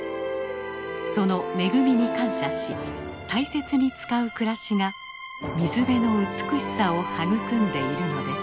その恵みに感謝し大切に使う暮らしが水辺の美しさを育んでいるのです。